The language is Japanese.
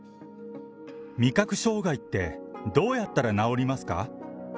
味覚障害って、どうやったら治りますか？